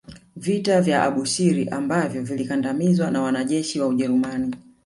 Vita vya Abushuri ambavyo vilikandamizwa na wanajeshi wa Ujerumani